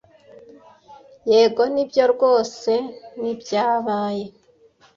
Yego, nibyo rwose nibyabaye.